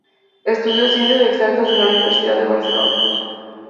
Estudió Ciencias Exactas en la Universidad de Barcelona.